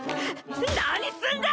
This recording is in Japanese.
何すんだ！